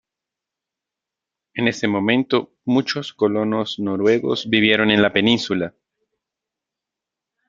En ese momento, muchos colonos noruegos vivieron en la península.